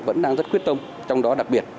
vẫn đang rất quyết tâm trong đó đặc biệt